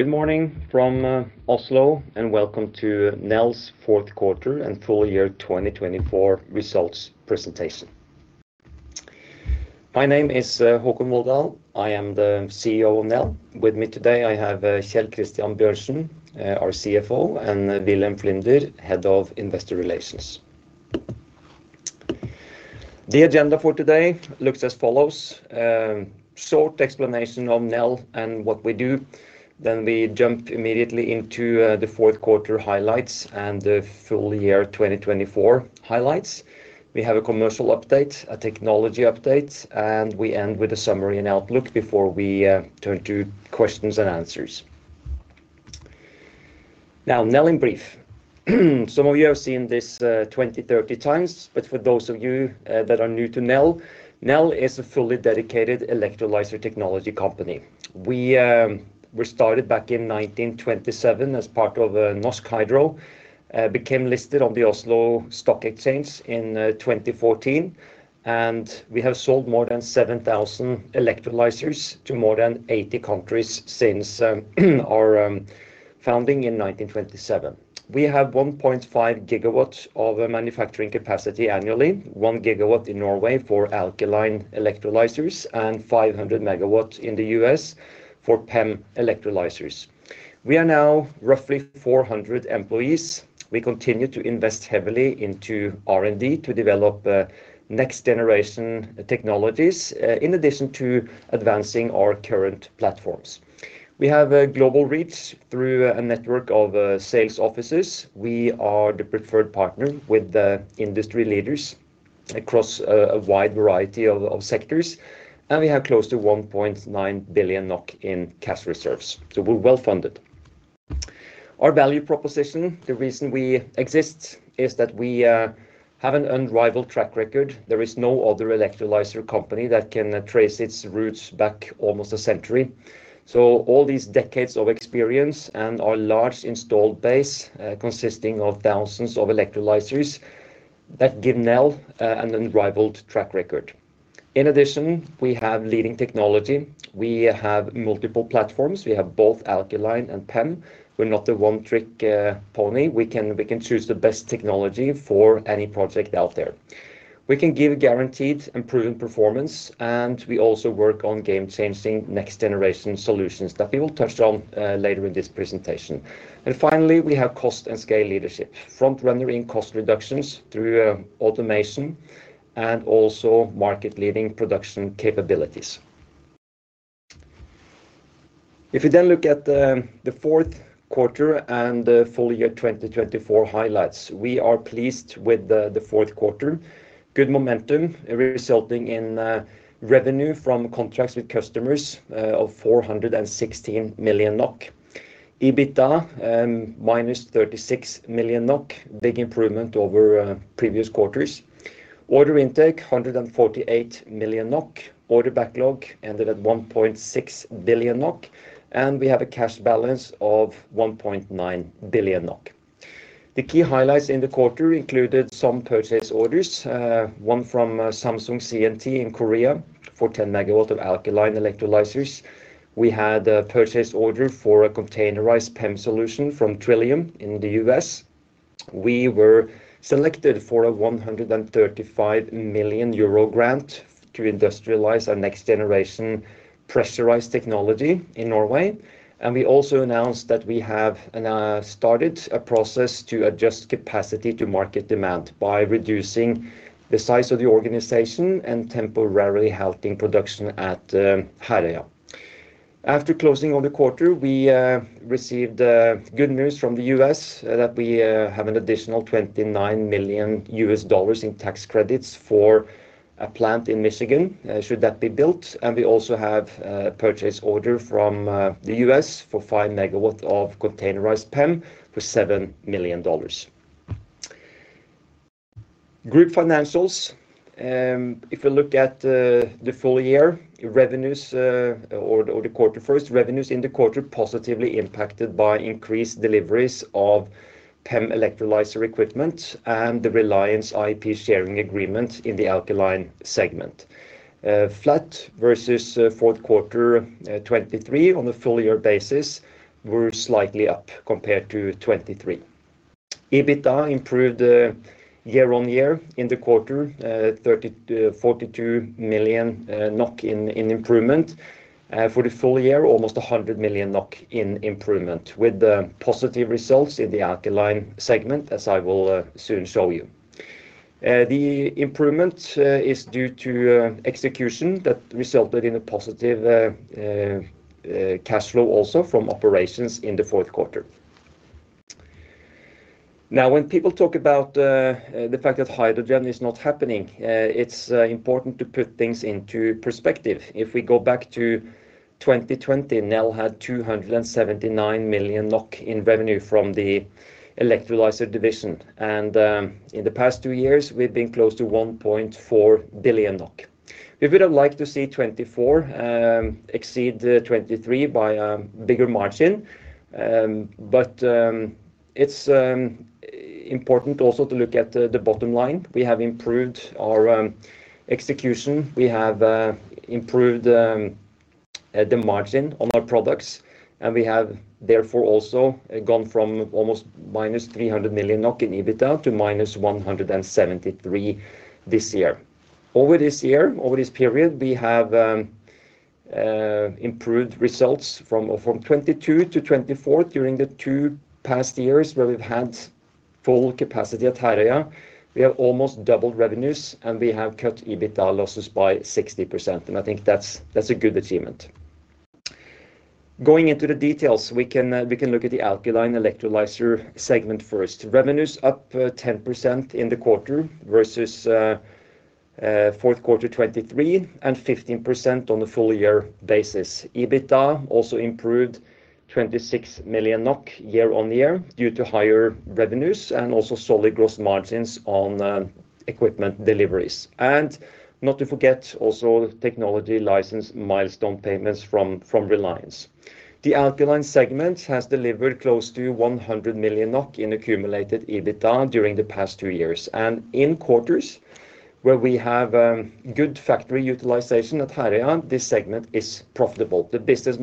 Good morning from Oslo, and welcome to Nel's fourth quarter and full year 2024 results presentation. My name is Håkon Volldal. I am the CEO of Nel. With me today, I have Kjell Christian Bjørnsen, our CFO, and Wilhelm Flinder, Head of Investor Relations. The agenda for today looks as follows: a short explanation of Nel and what we do. Then we jump immediately into the fourth quarter highlights and the full year 2024 highlights. We have a commercial update, a technology update, and we end with a summary and outlook before we turn to questions and answers. Now, Nel in brief. Some of you have seen this 20, 30 times, but for those of you that are new to Nel, Nel is a fully dedicated electrolyzer technology company. We started back in 1927 as part of Norsk Hydro, became listed on the Oslo Stock Exchange in 2014, and we have sold more than 7,000 electrolyzers to more than 80 countries since our founding in 1927. We have 1.5 gigawatts of manufacturing capacity annually, one gigawatt in Norway for alkaline electrolyzers, and 500 megawatts in the U.S. for PEM electrolyzers. We are now roughly 400 employees. We continue to invest heavily into R&D to develop next-generation technologies, in addition to advancing our current platforms. We have a global reach through a network of sales offices. We are the preferred partner with the industry leaders across a wide variety of sectors, and we have close to 1.9 billion NOK in cash reserves, so we're well funded. Our value proposition, the reason we exist, is that we have an unrivaled track record. There is no other electrolyzer company that can trace its roots back almost a century. So all these decades of experience and our large installed base consisting of thousands of electrolyzers that give Nel an unrivaled track record. In addition, we have leading technology. We have multiple platforms. We have both alkaline and PEM. We're not the one-trick pony. We can choose the best technology for any project out there. We can give guaranteed improving performance, and we also work on game-changing next-generation solutions that we will touch on later in this presentation. And finally, we have cost and scale leadership, front-runner in cost reductions through automation and also market-leading production capabilities. If we then look at the fourth quarter and the full year 2024 highlights, we are pleased with the fourth quarter. Good momentum resulting in revenue from contracts with customers of 416 million NOK. EBITDA minus 36 million NOK, big improvement over previous quarters. Order intake 148 million NOK. Order backlog ended at 1.6 billion NOK, and we have a cash balance of 1.9 billion NOK. The key highlights in the quarter included some purchase orders, one from Samsung C&T in Korea for 10 megawatts of alkaline electrolyzers. We had a purchase order for a containerized PEM solution from Trillium in the U.S. We were selected for a 135 million euro grant to industrialize our next-generation pressurized technology in Norway. And we also announced that we have started a process to adjust capacity to market demand by reducing the size of the organization and temporarily halting production at Herøya. After closing of the quarter, we received good news from the U.S. that we have an additional $29 million in tax credits for a plant in Michigan should that be built. And we also have a purchase order from the U.S. for 5 megawatts of containerized PEM for $7 million. Group financials, if we look at the full year revenues or the quarter first, revenues in the quarter positively impacted by increased deliveries of PEM electrolyzer equipment and the Reliance IP sharing agreement in the alkaline segment. Flat versus fourth quarter 2023 on a full year basis were slightly up compared to 2023. EBITDA improved year on year in the quarter, 42 million NOK in improvement. For the full year, almost 100 million NOK in improvement with positive results in the alkaline segment, as I will soon show you. The improvement is due to execution that resulted in a positive cash flow also from operations in the fourth quarter. Now, when people talk about the fact that hydrogen is not happening, it's important to put things into perspective. If we go back to 2020, Nel had 279 million NOK in revenue from the electrolyzer division, and in the past two years, we've been close to 1.4 billion NOK. We would have liked to see 24 exceed 23 by a bigger margin, but it's important also to look at the bottom line. We have improved our execution. We have improved the margin on our products, and we have therefore also gone from almost minus 300 million NOK in EBITDA to minus 173 million this year. Over this year, over this period, we have improved results from 22 to 24 during the two past years where we've had full capacity at Herøya. We have almost doubled revenues, and we have cut EBITDA losses by 60%. And I think that's a good achievement. Going into the details, we can look at the alkaline electrolyzer segment first. Revenues up 10% in the quarter versus fourth quarter 2023 and 15% on a full year basis. EBITDA also improved 26 million NOK year on year due to higher revenues and also solid gross margins on equipment deliveries, and not to forget also technology license milestone payments from Reliance. The alkaline segment has delivered close to 100 million NOK in accumulated EBITDA during the past two years, and in quarters where we have good factory utilization at Herøya, this segment is profitable. The business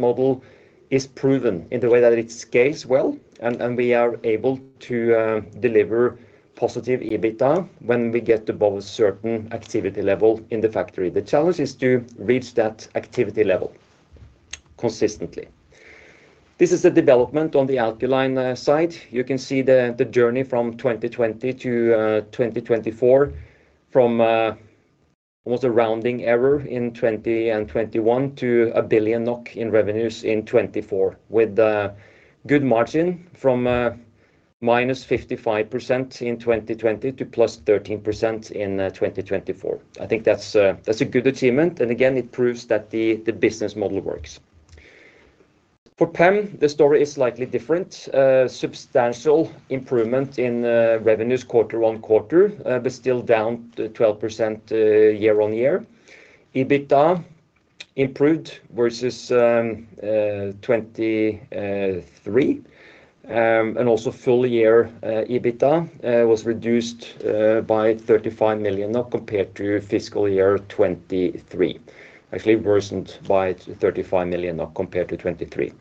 model is proven in the way that it scales well, and we are able to deliver positive EBITDA when we get above a certain activity level in the factory. The challenge is to reach that activity level consistently. This is the development on the alkaline side. You can see the journey from 2020 to 2024 from almost a rounding error in 2020 and 2021 to a billion NOK in revenues in 2024 with a good margin from -55% in 2020 to +13% in 2024. I think that's a good achievement, and again, it proves that the business model works. For PEM, the story is slightly different. Substantial improvement in revenues quarter on quarter, but still down 12% year on year. EBITDA improved versus 2023, and also full year EBITDA was reduced by NOK 35 million compared to fiscal year 2023. Actually worsened by 35 million compared to 2023.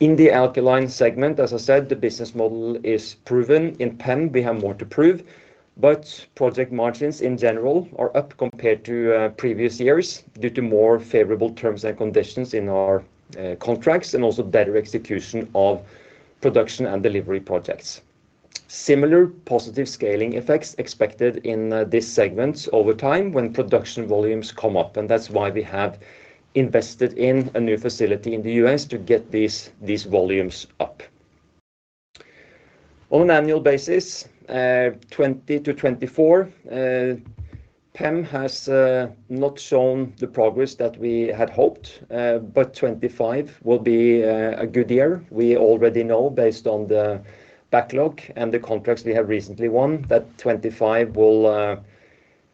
In the alkaline segment, as I said, the business model is proven in PEM. We have more to prove, but project margins in general are up compared to previous years due to more favorable terms and conditions in our contracts and also better execution of production and delivery projects. Similar positive scaling effects expected in this segment over time when production volumes come up, and that's why we have invested in a new facility in the U.S. to get these volumes up. On an annual basis, 2020-2024, PEM has not shown the progress that we had hoped, but 2025 will be a good year. We already know based on the backlog and the contracts we have recently won that 2025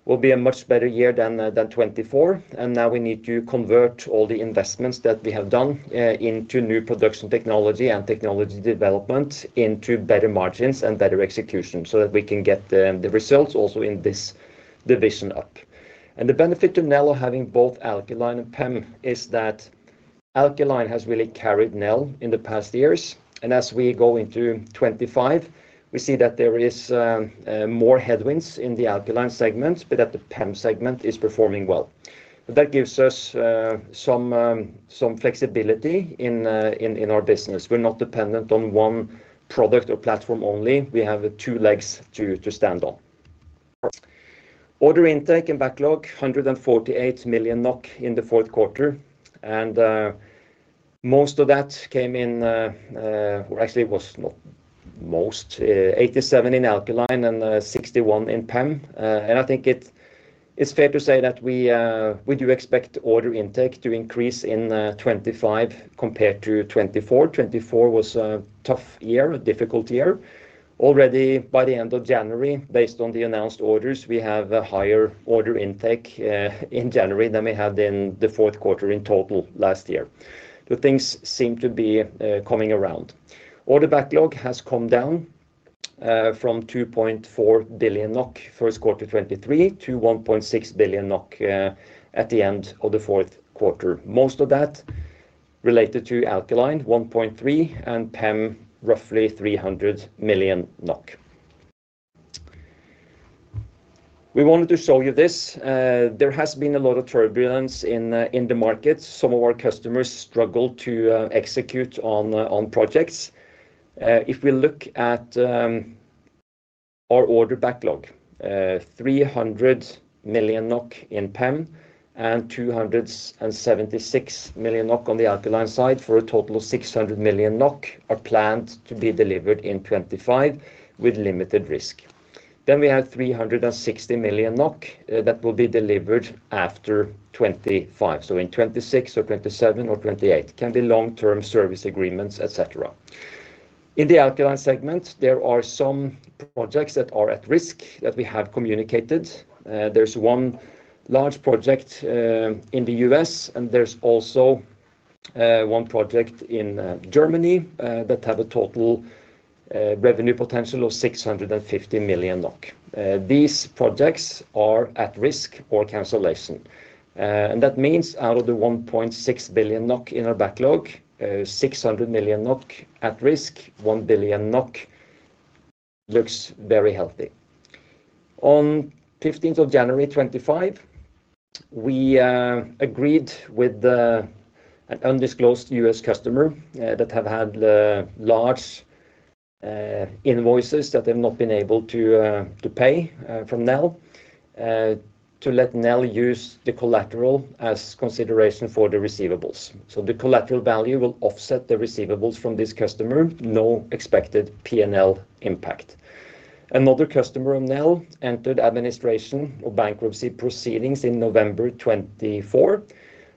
will be a much better year than 2024. Now we need to convert all the investments that we have done into new production technology and technology development into better margins and better execution so that we can get the results also in this division up. The benefit to Nel of having both alkaline and PEM is that alkaline has really carried Nel in the past years. As we go into 2025, we see that there is more headwinds in the alkaline segment, but that the PEM segment is performing well. That gives us some flexibility in our business. We're not dependent on one product or platform only. We have two legs to stand on. Order intake and backlog, 148 million NOK in the fourth quarter. Most of that came in, or actually was not most, 87 in alkaline and 61 in PEM. And I think it's fair to say that we do expect order intake to increase in 2025 compared to 2024. 2024 was a tough year, a difficult year. Already by the end of January, based on the announced orders, we have a higher order intake in January than we had in the fourth quarter in total last year. So things seem to be coming around. Order backlog has come down from 2.4 billion NOK first quarter 2023 to 1.6 billion NOK at the end of the fourth quarter. Most of that related to alkaline, 1.3 billion, and PEM roughly 300 million NOK. We wanted to show you this. There has been a lot of turbulence in the market. Some of our customers struggled to execute on projects. If we look at our order backlog, 300 million NOK in PEM and 276 million NOK on the alkaline side for a total of 600 million NOK are planned to be delivered in 2025 with limited risk. Then we have 360 million NOK that will be delivered after 2025. So in 2026 or 2027 or 2028 can be long-term service agreements, etc. In the alkaline segment, there are some projects that are at risk that we have communicated. There's one large project in the U.S., and there's also one project in Germany that has a total revenue potential of 650 million NOK. These projects are at risk or cancellation. And that means out of the 1.6 billion NOK in our backlog, 600 million NOK at risk, 1 billion NOK looks very healthy. On 15th of January 2025, we agreed with an undisclosed U.S. customer that has had large invoices that they've not been able to pay from Nel to let Nel use the collateral as consideration for the receivables. So the collateral value will offset the receivables from this customer, no expected P&L impact. Another customer of Nel entered administration or bankruptcy proceedings in November 2024.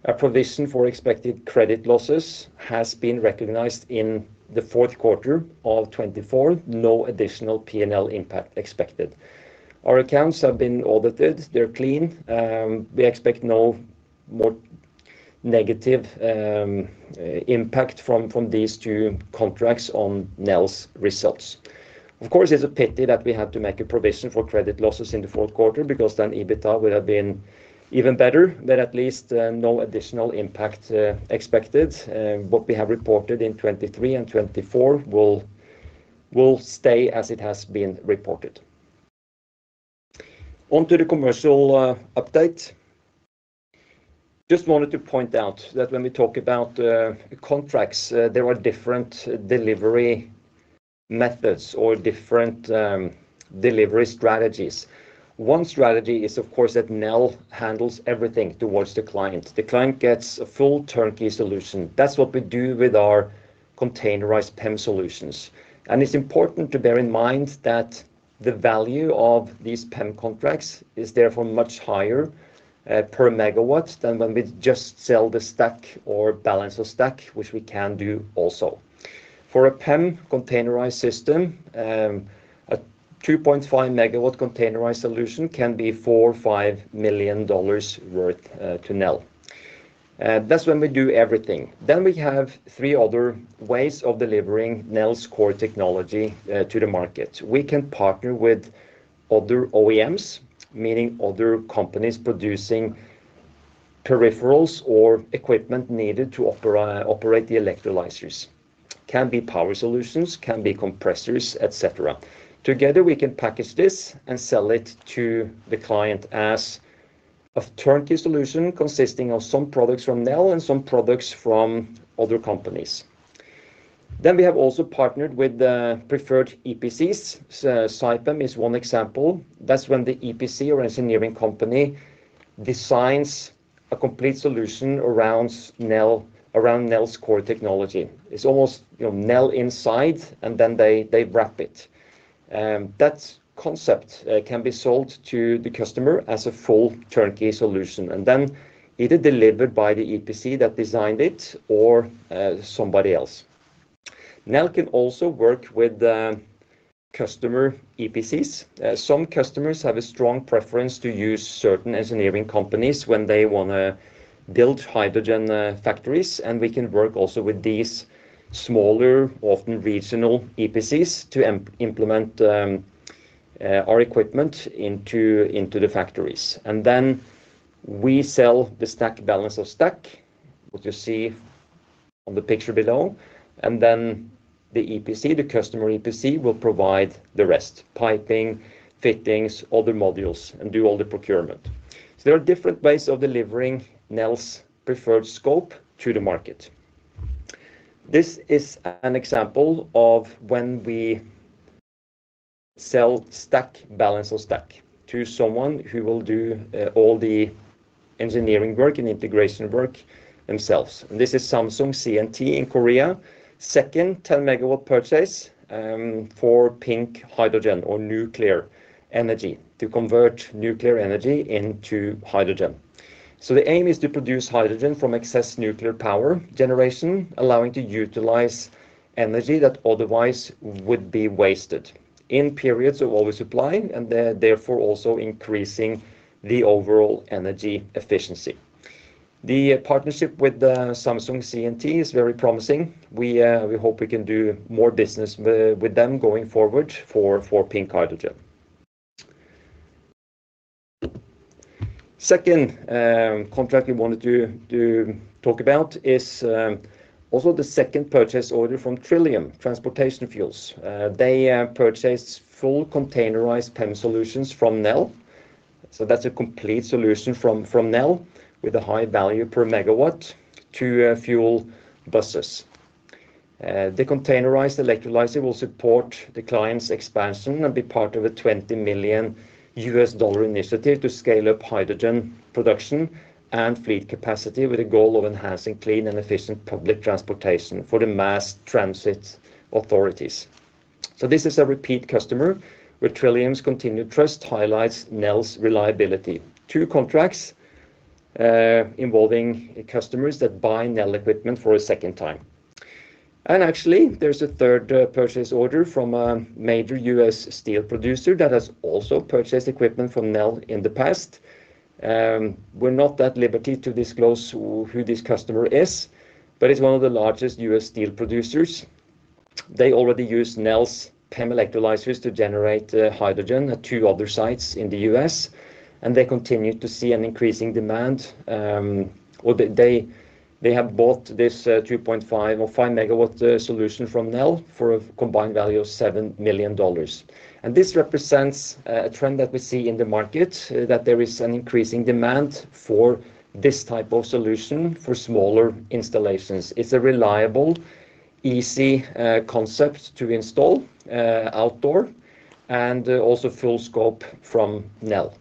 A provision for expected credit losses has been recognized in the fourth quarter of 2024. No additional P&L impact expected. Our accounts have been audited. They're clean. We expect no more negative impact from these two contracts on Nel's results. Of course, it's a pity that we had to make a provision for credit losses in the fourth quarter because then EBITDA would have been even better, but at least no additional impact expected. What we have reported in 2023 and 2024 will stay as it has been reported. Onto the commercial update. Just wanted to point out that when we talk about contracts, there are different delivery methods or different delivery strategies. One strategy is, of course, that Nel handles everything towards the client. The client gets a full turnkey solution. That's what we do with our containerized PEM solutions, and it's important to bear in mind that the value of these PEM contracts is therefore much higher per megawatt than when we just sell the stack or balance of stack, which we can do also. For a PEM containerized system, a 2.5 megawatt containerized solution can be $4 million or $5 million worth to Nel. That's when we do everything, then we have three other ways of delivering Nel's core technology to the market. We can partner with other OEMs, meaning other companies producing peripherals or equipment needed to operate the electrolyzers, can be power solutions, can be compressors, etc. Together, we can package this and sell it to the client as a turnkey solution consisting of some products from Nel and some products from other companies. Then we have also partnered with preferred EPCs. Saipem is one example. That's when the EPC or engineering company designs a complete solution around Nel's core technology. It's almost Nel inside, and then they wrap it. That concept can be sold to the customer as a full turnkey solution, and then either delivered by the EPC that designed it or somebody else. Nel can also work with customer EPCs. Some customers have a strong preference to use certain engineering companies when they want to build hydrogen factories. We can work also with these smaller, often regional EPCs to implement our equipment into the factories. Then we sell the stack, balance of stack, what you see on the picture below. Then the EPC, the customer EPC, will provide the rest, piping, fittings, other modules, and do all the procurement. There are different ways of delivering Nel's preferred scope to the market. This is an example of when we sell stack, balance of stack to someone who will do all the engineering work and integration work themselves. This is Samsung C&T in Korea, second 10 MW purchase for pink hydrogen or nuclear energy to convert nuclear energy into hydrogen. The aim is to produce hydrogen from excess nuclear power generation, allowing to utilize energy that otherwise would be wasted in periods of oversupply and therefore also increasing the overall energy efficiency. The partnership with Samsung C&T is very promising. We hope we can do more business with them going forward for pink hydrogen. Second contract we wanted to talk about is also the second purchase order from Trillium Transportation Fuels. They purchased full containerized PEM solutions from Nel. So that's a complete solution from Nel with a high value per megawatt to fuel buses. The containerized electrolyzer will support the client's expansion and be part of a $20 million initiative to scale up hydrogen production and fleet capacity with a goal of enhancing clean and efficient public transportation for the mass transit authorities. So this is a repeat customer where Trillium's continued trust highlights Nel's reliability. Two contracts involving customers that buy Nel equipment for a second time. Actually, there's a third purchase order from a major U.S. steel producer that has also purchased equipment from Nel in the past. We're not at liberty to disclose who this customer is, but it's one of the largest U.S. steel producers. They already use Nel's PEM electrolyzers to generate hydrogen at two other sites in the U.S. And they continue to see an increasing demand. They have bought this 2.5 MW or 5 MW solution from Nel for a combined value of $7 million. And this represents a trend that we see in the market, that there is an increasing demand for this type of solution for smaller installations. It's a reliable, easy concept to install outdoor and also full scope from Nel.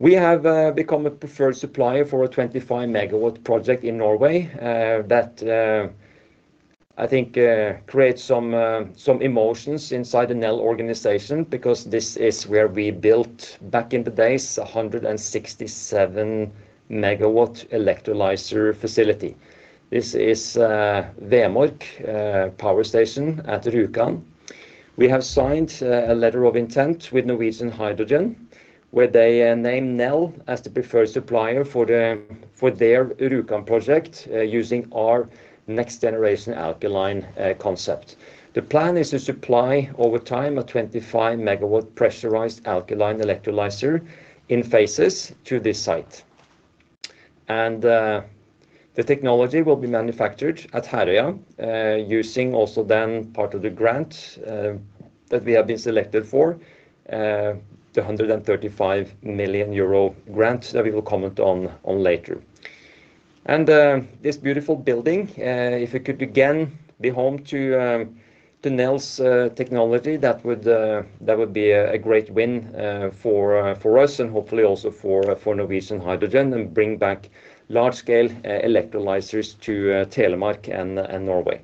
We have become a preferred supplier for a 25 MW project in Norway that I think creates some emotions inside the Nel organization because this is where we built back in the days a 167 megawatt electrolyzer facility. This is Vemork Power Station at Rjukan. We have signed a letter of intent with Norwegian Hydrogen where they name Nel as the preferred supplier for their Rjukan project using our next generation alkaline concept. The plan is to supply over time a 25 megawatt pressurized alkaline electrolyzer in phases to this site. And the technology will be manufactured at Herøya using also then part of the grant that we have been selected for, the 135 million euro grant that we will comment on later. This beautiful building, if it could again be home to Nel's technology, that would be a great win for us and hopefully also for Norwegian Hydrogen and bring back large scale electrolyzers to Telemark and Norway.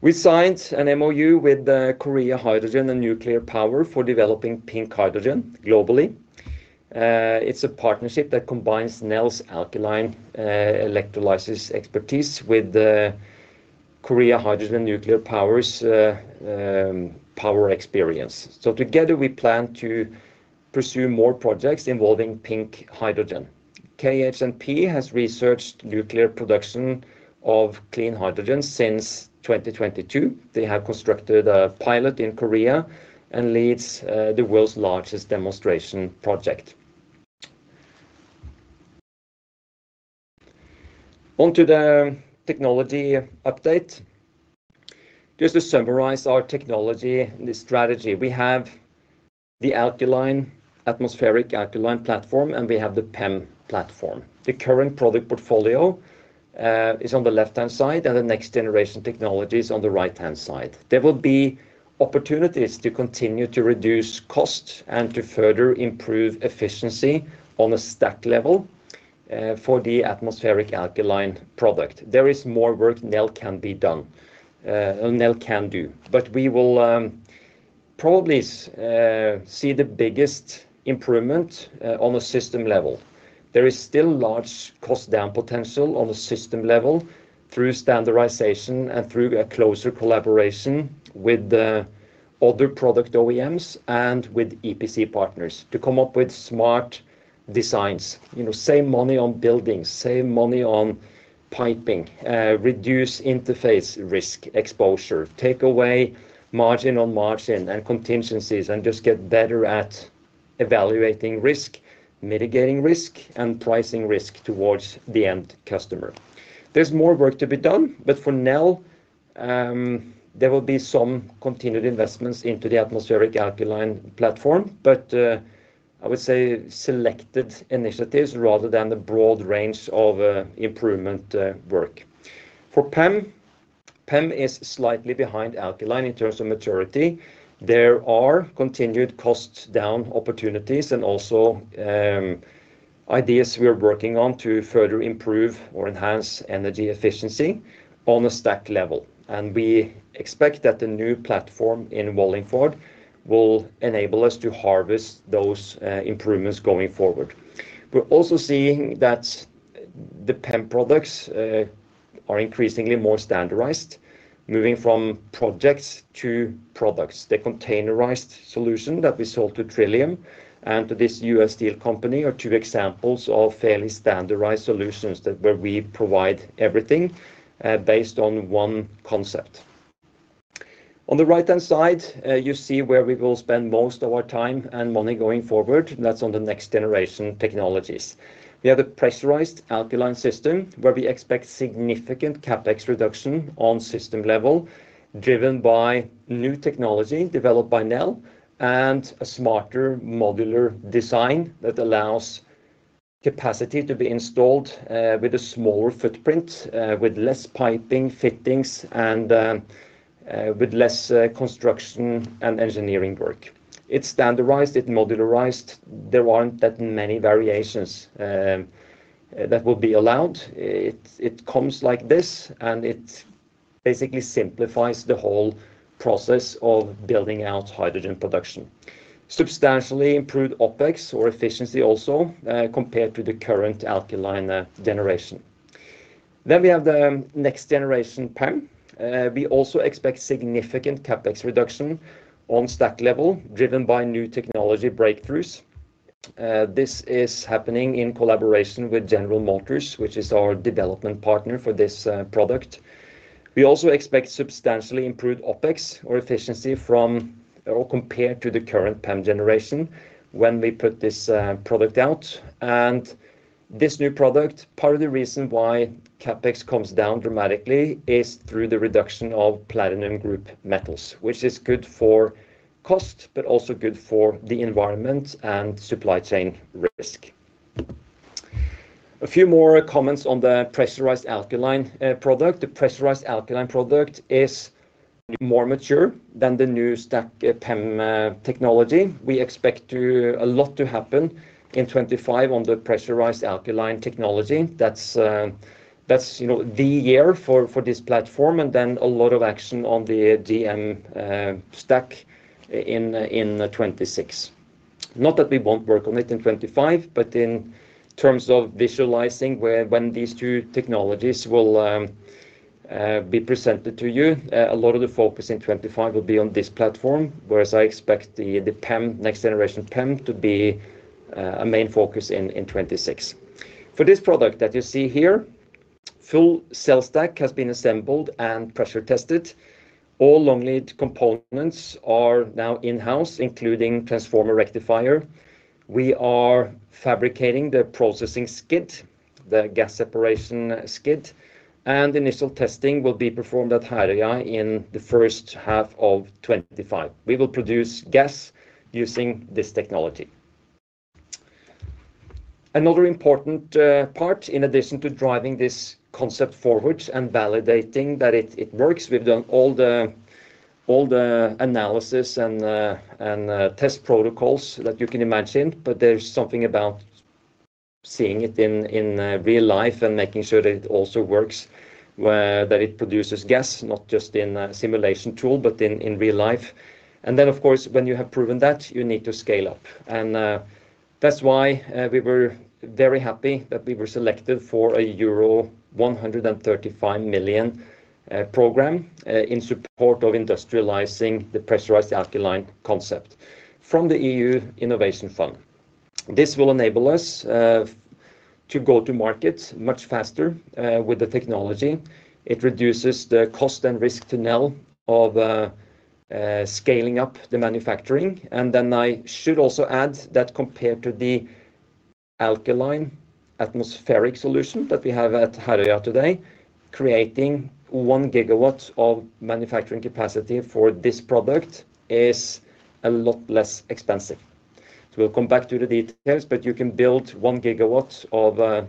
We signed an MoU with Korea Hydro & Nuclear Power for developing pink hydrogen globally. It's a partnership that combines Nel's alkaline electrolyzers expertise with Korea Hydro & Nuclear Power's power experience. So together, we plan to pursue more projects involving pink hydrogen. KHNP has researched nuclear production of clean hydrogen since 2022. They have constructed a pilot in Korea and leads the world's largest demonstration project. Onto the technology update. Just to summarize our technology and the strategy, we have the alkaline atmospheric alkaline platform and we have the PEM platform. The current product portfolio is on the left-hand side and the next-generation technology is on the right-hand side. There will be opportunities to continue to reduce costs and to further improve efficiency on a stack level for the atmospheric alkaline product. There is more work Nel can do. But we will probably see the biggest improvement on a system level. There is still large cost down potential on a system level through standardization and through a closer collaboration with other product OEMs and with EPC partners to come up with smart designs. Save money on buildings, save money on piping, reduce interface risk exposure, take away margin on margin and contingencies and just get better at evaluating risk, mitigating risk, and pricing risk towards the end customer. There's more work to be done, but for Nel, there will be some continued investments into the atmospheric alkaline platform, but I would say selected initiatives rather than a broad range of improvement work. For PEM, PEM is slightly behind alkaline in terms of maturity. There are continued cost down opportunities and also ideas we are working on to further improve or enhance energy efficiency on a stack level, and we expect that the new platform in Wallingford will enable us to harvest those improvements going forward. We're also seeing that the PEM products are increasingly more standardized, moving from projects to products. The containerized solution that we sold to Trillium and to this U.S. steel company are two examples of fairly standardized solutions where we provide everything based on one concept. On the right-hand side, you see where we will spend most of our time and money going forward. That's on the next generation technologies. We have a pressurized alkaline system where we expect significant CapEx reduction on system level driven by new technology developed by Nel and a smarter modular design that allows capacity to be installed with a smaller footprint, with less piping, fittings, and with less construction and engineering work. It's standardized, it's modularized. There aren't that many variations that will be allowed. It comes like this and it basically simplifies the whole process of building out hydrogen production. Substantially improved OpEx or efficiency also compared to the current alkaline generation. Then we have the next generation PEM. We also expect significant CapEx reduction on stack level driven by new technology breakthroughs. This is happening in collaboration with General Motors, which is our development partner for this product. We also expect substantially improved OpEx or efficiency compared to the current PEM generation when we put this product out. This new product, part of the reason why CapEx comes down dramatically is through the reduction of platinum group metals, which is good for cost, but also good for the environment and supply chain risk. A few more comments on the pressurized alkaline product. The pressurized alkaline product is more mature than the new stack PEM technology. We expect a lot to happen in 2025 on the pressurized alkaline technology. That's the year for this platform and then a lot of action on the PEM stack in 2026. Not that we won't work on it in 2025, but in terms of visualizing when these two technologies will be presented to you, a lot of the focus in 2025 will be on this platform, whereas I expect the next generation PEM to be a main focus in 2026. For this product that you see here, full cell stack has been assembled and pressure tested. All long lead components are now in-house, including transformer rectifier. We are fabricating the processing skid, the gas separation skid, and initial testing will be performed at Herøya in the first half of 2025. We will produce gas using this technology. Another important part, in addition to driving this concept forward and validating that it works, we've done all the analysis and test protocols that you can imagine, but there's something about seeing it in real life and making sure that it also works, that it produces gas, not just in a simulation tool, but in real life. And then, of course, when you have proven that, you need to scale up. That's why we were very happy that we were selected for a euro 135 million program in support of industrializing the pressurized alkaline concept from the EU Innovation Fund. This will enable us to go to market much faster with the technology. It reduces the cost and risk to Nel of scaling up the manufacturing. I should also add that compared to the alkaline atmospheric solution that we have at Herøya today, creating one gigawatt of manufacturing capacity for this product is a lot less expensive. We'll come back to the details, but you can build one gigawatt of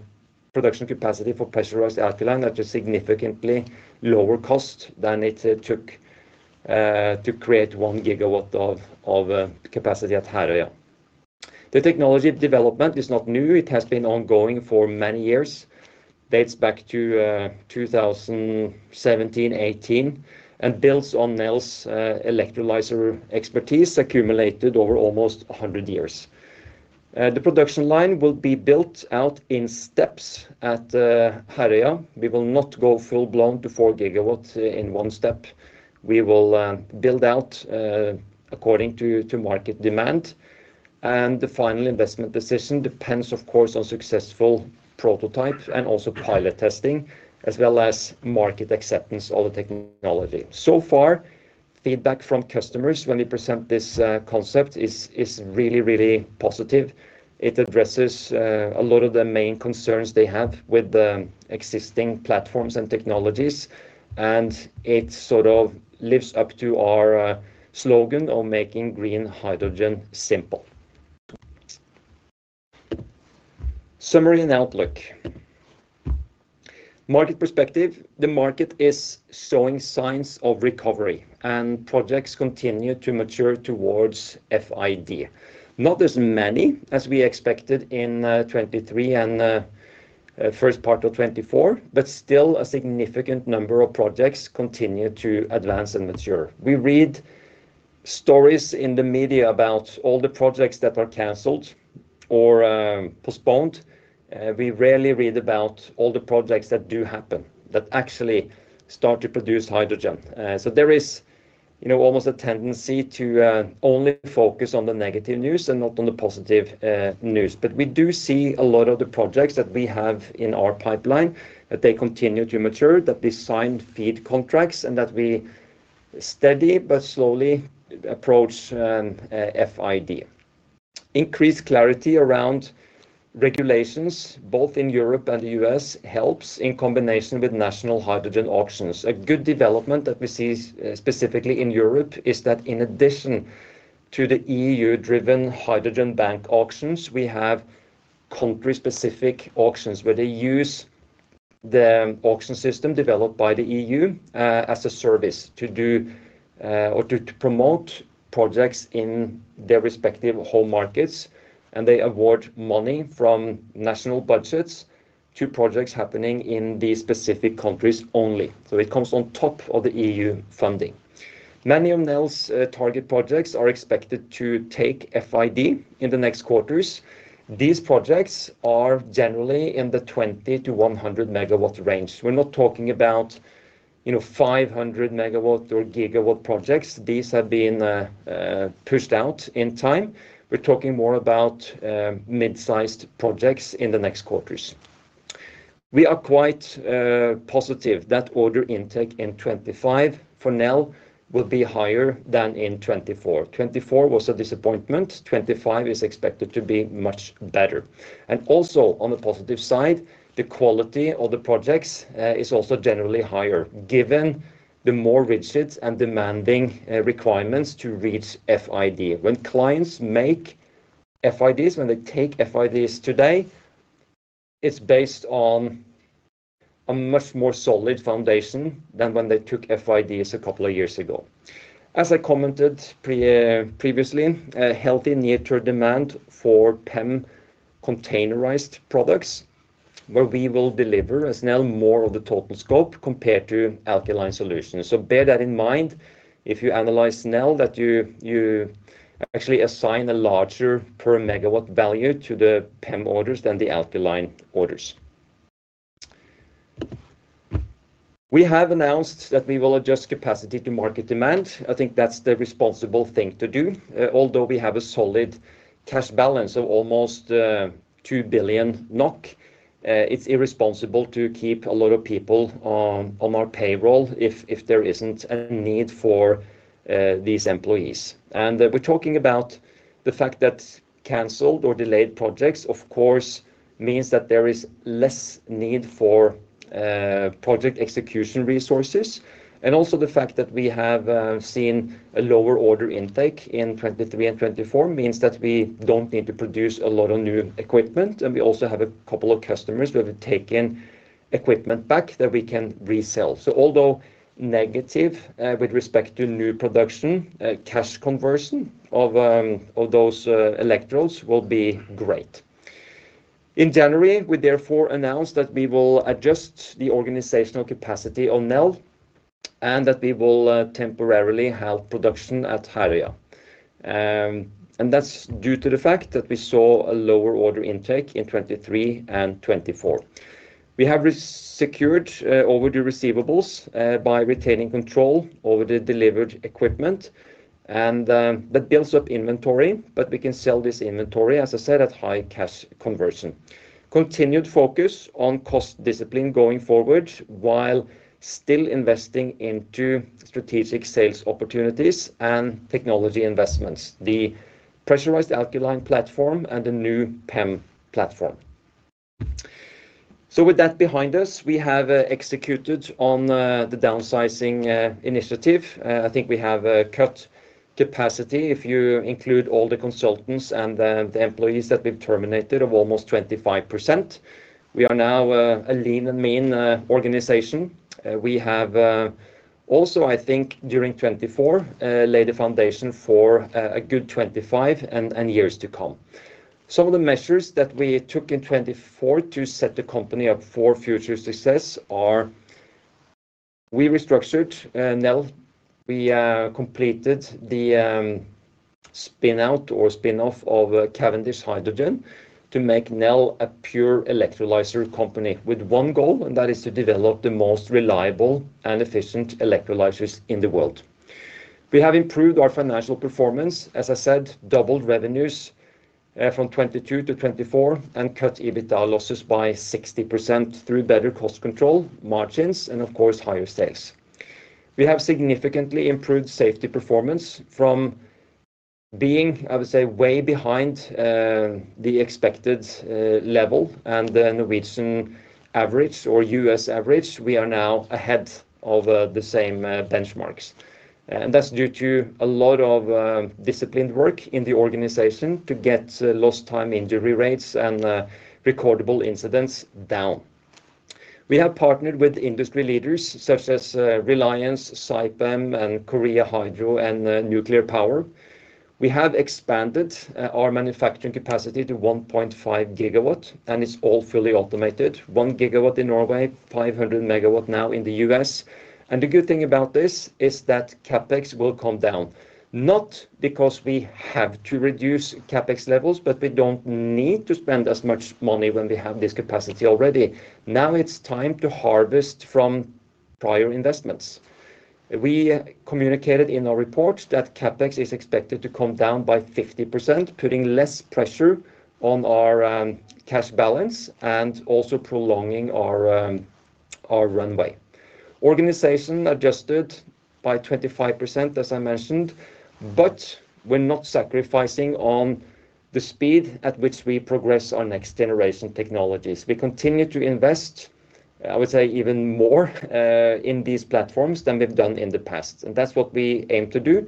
production capacity for pressurized alkaline at a significantly lower cost than it took to create one gigawatt of capacity at Herøya. The technology development is not new. It has been ongoing for many years. Dates back to 2017-18 and builds on Nel's electrolyzer expertise accumulated over almost 100 years. The production line will be built out in steps at Herøya. We will not go full-blown to 4 GW in one step. We will build out according to market demand. And the final investment decision depends, of course, on successful prototype and also pilot testing, as well as market acceptance of the technology. So far, feedback from customers when we present this concept is really, really positive. It addresses a lot of the main concerns they have with the existing platforms and technologies. And it sort of lives up to our slogan of making green hydrogen simple. Summary and outlook. Market perspective, the market is showing signs of recovery and projects continue to mature towards FID. Not as many as we expected in 2023 and first part of 2024, but still a significant number of projects continue to advance and mature. We read stories in the media about all the projects that are canceled or postponed. We rarely read about all the projects that do happen, that actually start to produce hydrogen. So there is almost a tendency to only focus on the negative news and not on the positive news. But we do see a lot of the projects that we have in our pipeline, that they continue to mature, that they sign FEED contracts, and that we steady, but slowly approach FID. Increased clarity around regulations, both in Europe and the U.S., helps in combination with national hydrogen auctions. A good development that we see specifically in Europe is that in addition to the EU-driven Hydrogen Bank auctions, we have country-specific auctions where they use the auction system developed by the EU as a service to do or to promote projects in their respective home markets. And they award money from national budgets to projects happening in these specific countries only. So it comes on top of the EU funding. Many of Nel's target projects are expected to take FID in the next quarters. These projects are generally in the 20- to 100-megawatt range. We're not talking about 500-megawatt or gigawatt projects. These have been pushed out in time. We're talking more about mid-sized projects in the next quarters. We are quite positive that order intake in 2025 for Nel will be higher than in 2024. 2024 was a disappointment. 2025 is expected to be much better. And also on the positive side, the quality of the projects is also generally higher, given the more rigid and demanding requirements to reach FID. When clients make FIDs, when they take FIDs today, it's based on a much more solid foundation than when they took FIDs a couple of years ago. As I commented previously, healthy near-term demand for PEM containerized products, where we will deliver as Nel more of the total scope compared to alkaline solutions. So bear that in mind. If you analyze Nel, that you actually assign a larger per megawatt value to the PEM orders than the alkaline orders. We have announced that we will adjust capacity to market demand. I think that's the responsible thing to do. Although we have a solid cash balance of almost 2 billion NOK, it's irresponsible to keep a lot of people on our payroll if there isn't a need for these employees. We're talking about the fact that canceled or delayed projects, of course, means that there is less need for project execution resources. Also the fact that we have seen a lower order intake in 2023 and 2024 means that we don't need to produce a lot of new equipment. We also have a couple of customers who have taken equipment back that we can resell. Although negative with respect to new production, cash conversion of those electrolyzers will be great. In January, we therefore announced that we will adjust the organizational capacity on Nel and that we will temporarily halve production at Herøya. That's due to the fact that we saw a lower order intake in 2023 and 2024. We have secured over the receivables by retaining control over the delivered equipment. That builds up inventory, but we can sell this inventory, as I said, at high cash conversion. Continued focus on cost discipline going forward while still investing into strategic sales opportunities and technology investments, the Pressurized Alkaline platform and the new PEM platform. With that behind us, we have executed on the downsizing initiative. I think we have cut capacity. If you include all the consultants and the employees that we've terminated of almost 25%, we are now a lean and mean organization. We have also, I think, during 2024, laid a foundation for a good 2025 and years to come. Some of the measures that we took in 2024 to set the company up for future success are we restructured Nel. We completed the spinout or spinoff of Cavendish Hydrogen to make Nel a pure electrolyzer company with one goal, and that is to develop the most reliable and efficient electrolyzers in the world. We have improved our financial performance, as I said, doubled revenues from 2022 to 2024 and cut EBITDA losses by 60% through better cost control, margins, and of course, higher sales. We have significantly improved safety performance from being, I would say, way behind the expected level and the Norwegian average or U.S. average. We are now ahead of the same benchmarks. And that's due to a lot of disciplined work in the organization to get lost time injury rates and recordable incidents down. We have partnered with industry leaders such as Reliance, Saipem, and Korea Hydro and Nuclear Power. We have expanded our manufacturing capacity to 1.5 GW, and it's all fully automated. One gigawatt in Norway, 500 MW now in the U.S., and the good thing about this is that CapEx will come down, not because we have to reduce CapEx levels, but we don't need to spend as much money when we have this capacity already. Now it's time to harvest from prior investments. We communicated in our report that CapEx is expected to come down by 50%, putting less pressure on our cash balance and also prolonging our runway. Organization adjusted by 25%, as I mentioned, but we're not sacrificing on the speed at which we progress our next generation technologies. We continue to invest, I would say, even more in these platforms than we've done in the past. That's what we aim to do: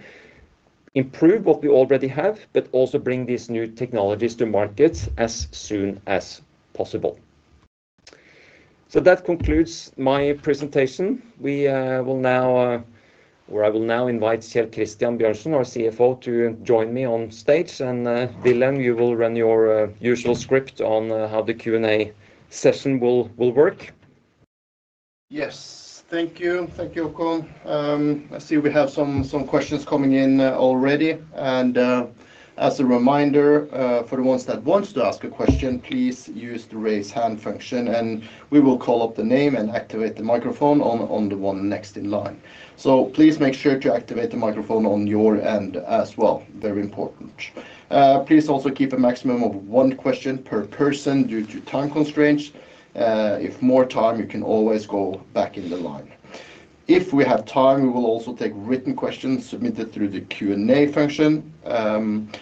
improve what we already have, but also bring these new technologies to market as soon as possible. That concludes my presentation. We will now, or I will now invite Kjell Christian Bjørnsen, our CFO, to join me on stage. Wilhelm Flinder, you will run your usual script on how the Q&A session will work. Yes. Thank you. Thank you, Håkon. I see we have some questions coming in already. As a reminder, for the ones that want to ask a question, please use the raise hand function. We will call up the name and activate the microphone on the one next in line. Please make sure to activate the microphone on your end as well. Very important. Please also keep a maximum of one question per person due to time constraints. If more time, you can always go back in the line. If we have time, we will also take written questions submitted through the Q&A function. And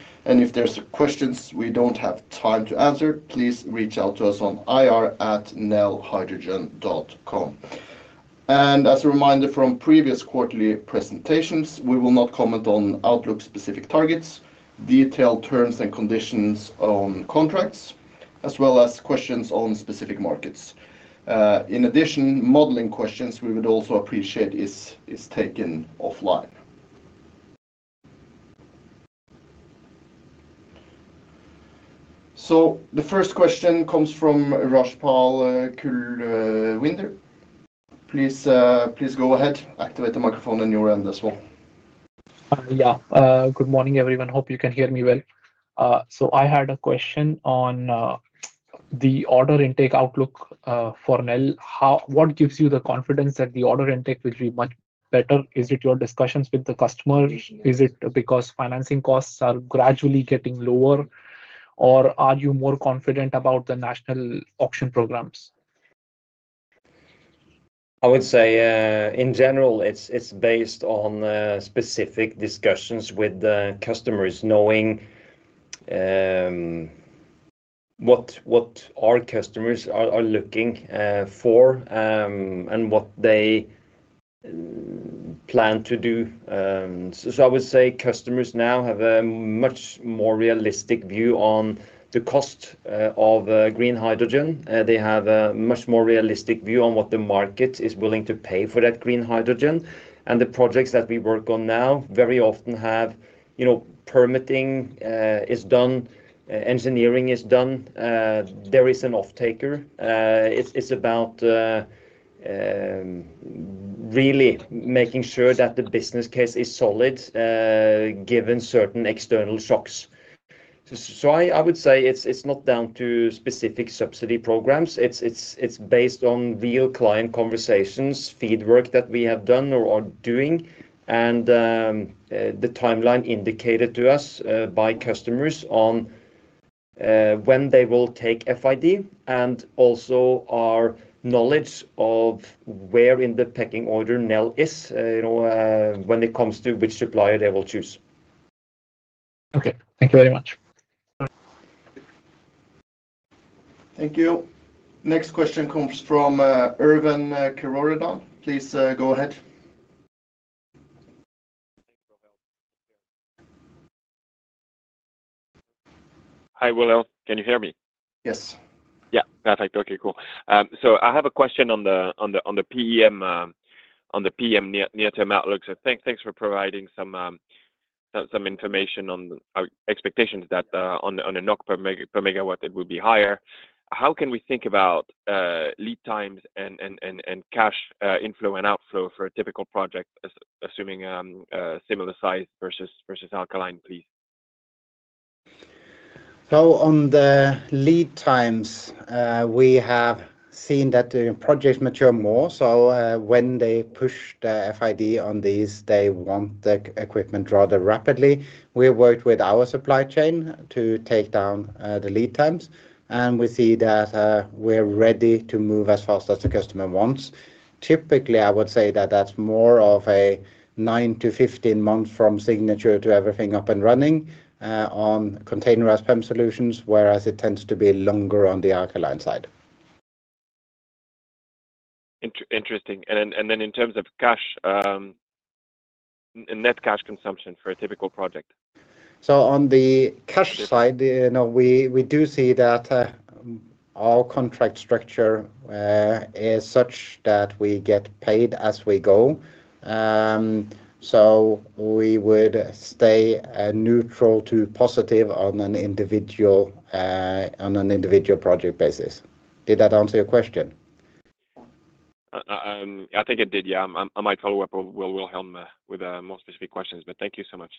if there's questions we don't have time to answer, please reach out to us on ir@nelhydrogen.com. And as a reminder from previous quarterly presentations, we will not comment on Outlook-specific targets, detailed terms and conditions on contracts, as well as questions on specific markets. In addition, modeling questions we would also appreciate is taken offline. So the first question comes from Kulwinder Rajpal. Please go ahead. Activate the microphone on your end as well. Yeah. Good morning, everyone. Hope you can hear me well. So I had a question on the order intake Outlook for Nel. What gives you the confidence that the order intake will be much better? Is it your discussions with the customers? Is it because financing costs are gradually getting lower? Or are you more confident about the national auction programs? I would say, in general, it's based on specific discussions with the customers, knowing what our customers are looking for and what they plan to do. So I would say customers now have a much more realistic view on the cost of green hydrogen. They have a much more realistic view on what the market is willing to pay for that green hydrogen. And the projects that we work on now very often have permitting is done. Engineering is done. There is an off-taker. It's about really making sure that the business case is solid given certain external shocks. So I would say it's not down to specific subsidy programs. It's based on real client conversations, FEED work that we have done or are doing, and the timeline indicated to us by customers on when they will take FID and also our knowledge of where in the pecking order Nel is when it comes to which supplier they will choose. Okay. Thank you very much. Thank you. Next question comes from Erwan Kerouredan. Please go ahead. Hi, Will. Can you hear me? Yes. Yeah. Perfect. Okay. Cool. So I have a question on the PEM near-term outlook. So thanks for providing some information on our expectations that on a NOK per megawatt, it will be higher. How can we think about lead times and cash inflow and outflow for a typical project, assuming similar size versus alkaline, please? So on the lead times, we have seen that the projects mature more. So when they push the FID on these, they want the equipment rather rapidly. We have worked with our supply chain to take down the lead times. And we see that we're ready to move as fast as the customer wants. Typically, I would say that that's more of a 9 to 15 months from signature to everything up and running on containerized PEM solutions, whereas it tends to be longer on the alkaline side. Interesting. And then in terms of net cash consumption for a typical project? So on the cash side, we do see that our contract structure is such that we get paid as we go. So we would stay neutral to positive on an individual project basis. Did that answer your question? I think it did, yeah. I might follow up with Wilhelm Flinder with more specific questions, but thank you so much.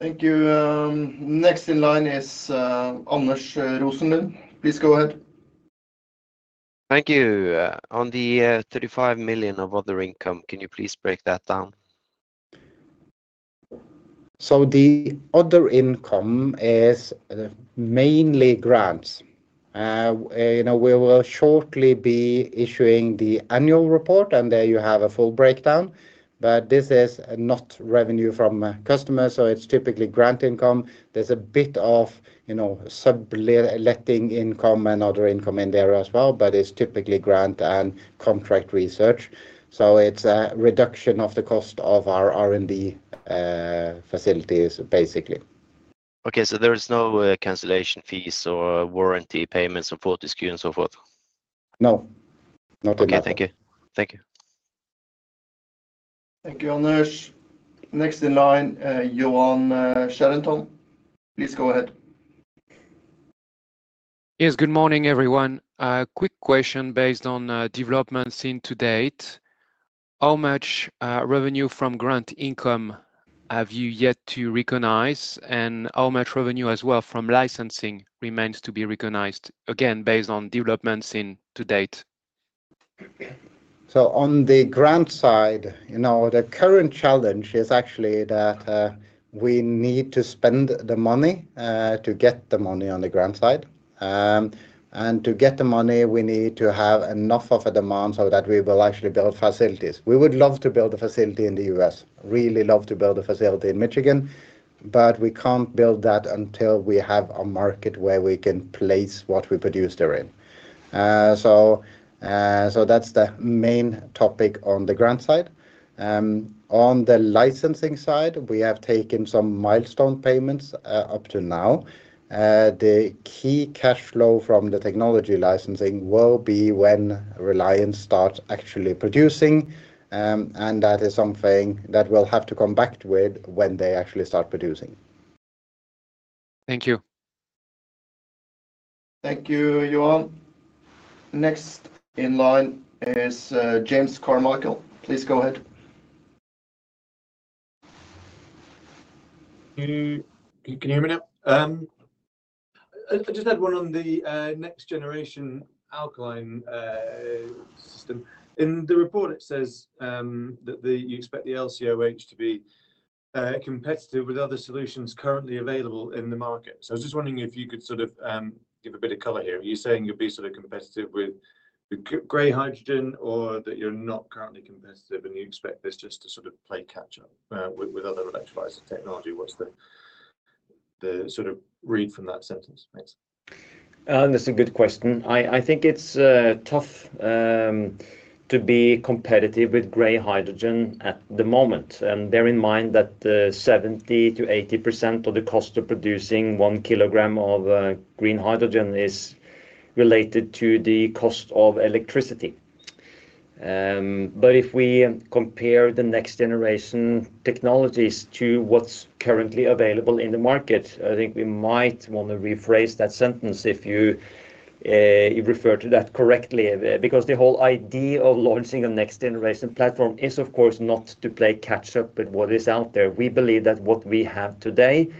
Thank you. Next in line is Anders Rosenlund. Please go ahead. Thank you. On the 35 million of other income, can you please break that down? So the other income is mainly grants. We will shortly be issuing the annual report, and there you have a full breakdown. But this is not revenue from customers, so it's typically grant income. There's a bit of subletting income and other income in there as well, but it's typically grant and contract research. So it's a reduction of the cost of our R&D facilities, basically. Okay. So there is no cancellation fees or warranty payments or for this Q and so forth? No. Not at all. Okay. Thank you. Thank you. Thank you, Anders. Next in line, Yoann Charenton. Please go ahead. Yes. Good morning, everyone. Quick question based on developments to date. How much revenue from grant income have you yet to recognize? How much revenue as well from licensing remains to be recognized, again, based on developments to date? On the grant side, the current challenge is actually that we need to spend the money to get the money on the grant side. To get the money, we need to have enough of a demand so that we will actually build facilities. We would love to build a facility in the U.S., really love to build a facility in Michigan, but we can't build that until we have a market where we can place what we produce therein. That's the main topic on the grant side. On the licensing side, we have taken some milestone payments up to now. The key cash flow from the technology licensing will be when Reliance starts actually producing. That is something that will have to come back to it when they actually start producing. Thank you. Thank you, Yoann. Next in line is James Carmichael. Please go ahead. Can you hear me now? I just had one on the next generation alkaline system. In the report, it says that you expect the LCOH to be competitive with other solutions currently available in the market. So I was just wondering if you could sort of give a bit of color here. Are you saying you'll be sort of competitive with gray hydrogen or that you're not currently competitive and you expect this just to sort of play catch-up with other electrolyzer technology? What's the sort of read from that sentence? That's a good question. I think it's tough to be competitive with gray hydrogen at the moment. And bear in mind that 70%-80% of the cost of producing one kilogram of green hydrogen is related to the cost of electricity. But if we compare the next generation technologies to what's currently available in the market, I think we might want to rephrase that sentence if you refer to that correctly. Because the whole idea of launching a next generation platform is, of course, not to play catch-up with what is out there. We believe that what we have today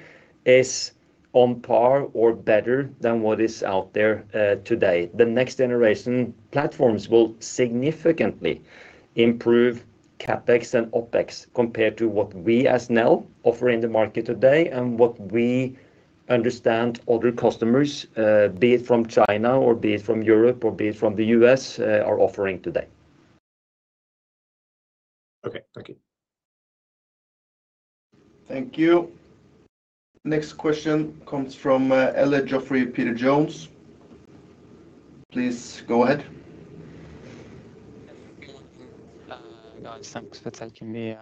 is on par or better than what is out there today. The next generation platforms will significantly improve CapEx and OpEx compared to what we as Nel offer in the market today and what we understand other customers, be it from China or be it from Europe or be it from the U.S., are offering today. Okay. Thank you. Thank you. Next question comes from Elliott Geoffrey Peter Jones. Please go ahead. Guys, thanks for taking the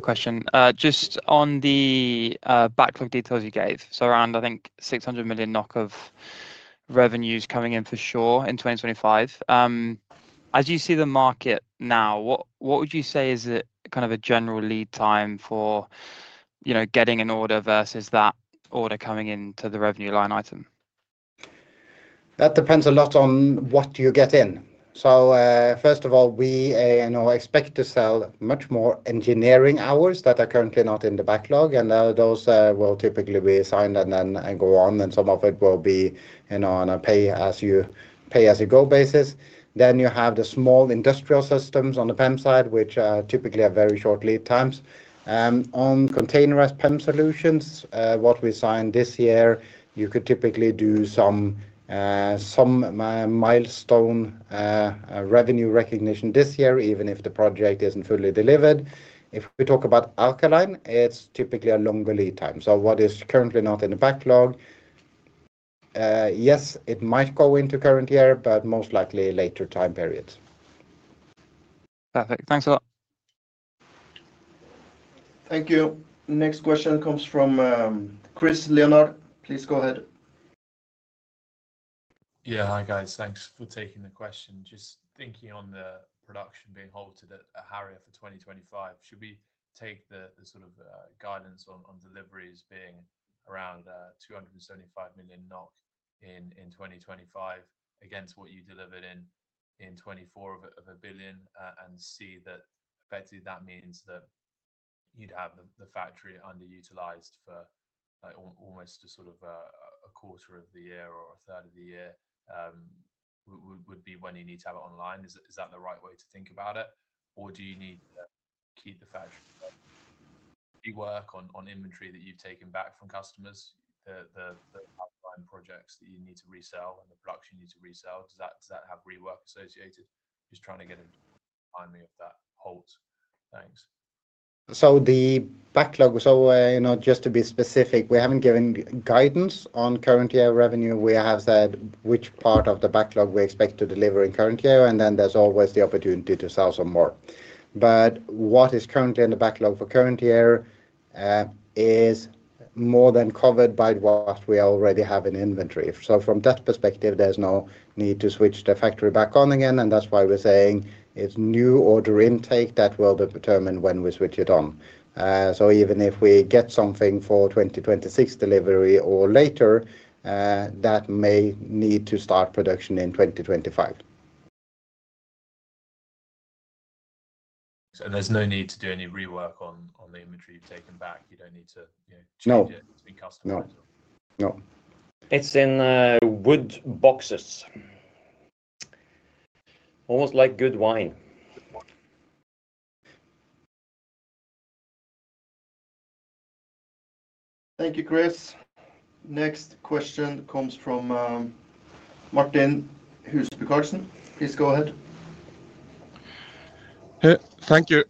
question. Just on the backlog details you gave, so around, I think, 600 million NOK of revenues coming in for sure in 2025. As you see the market now, what would you say is kind of a general lead time for getting an order versus that order coming into the revenue line item? That depends a lot on what you get in. So first of all, we expect to sell much more engineering hours that are currently not in the backlog. And those will typically be signed and then go on. And some of it will be on a pay-as-you-go basis. Then you have the small industrial systems on the PEM side, which typically have very short lead times. On containerized PEM solutions, what we signed this year, you could typically do some milestone revenue recognition this year, even if the project isn't fully delivered. If we talk about alkaline, it's typically a longer lead time. So what is currently not in the backlog, yes, it might go into current year, but most likely later time periods. Perfect. Thanks a lot. Thank you. Next question comes from. Please go ahead. Yeah. Hi, guys. Thanks for taking the question. Just thinking on the production being halted at Herøya for 2025, should we take the sort of guidance on deliveries being around 275 million NOK in 2025 against what you delivered in 2024 of 1 billion and see that effectively that means that you'd have the factory underutilized for almost to sort of a quarter of the year or a third of the year would be when you need to have it online? Is that the right way to think about it? Or do you need to keep the factory running? Rework on inventory that you've taken back from customers, the alkaline projects that you need to resell and the production you need to resell, does that have rework associated? Just trying to get a timing of that halt. Thanks. So the backlog, so just to be specific, we haven't given guidance on current year revenue. We have said which part of the backlog we expect to deliver in current year, and then there's always the opportunity to sell some more. But what is currently in the backlog for current year is more than covered by what we already have in inventory. So from that perspective, there's no need to switch the factory back on again. And that's why we're saying it's new order intake that will determine when we switch it on. So even if we get something for 2026 delivery or later, that may need to start production in 2025. So there's no need to do any rework on the inventory you've taken back. You don't need to change it. It's been customized. No. No. It's in wood boxes. Almost like good wine. Thank you, Chris. Next question comes from Martin Huseby Karlsen. Please go ahead. Thank you.